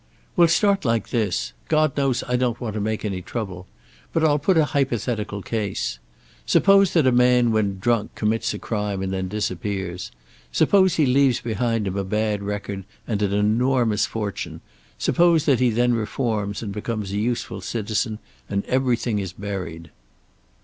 "We'll start like this. God knows I don't want to make any trouble. But I'll put a hypothetical case. Suppose that a man when drunk commits a crime and then disappears; suppose he leaves behind him a bad record and an enormous fortune; suppose then he reforms and becomes a useful citizen, and everything is buried."